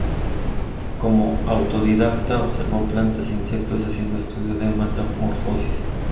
Como autodidacta, observó plantas e insectos haciendo estudio de metamorfosis.